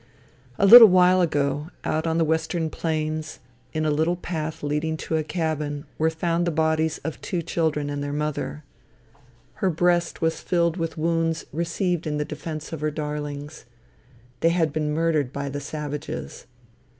A little while ago, out upon the western plains, in a little path leading to a cabin, were found the bodies of two children and their mother. Her breast was filled with wounds received in the defence of her darlings. They had been murdered by the savages.